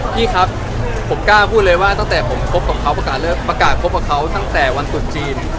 พี่ครับผมกล้าพูดเลยว่าตั้งแต่ผมคบกับเขาประกาศคบกับเขาตั้งแต่วันตุดจีน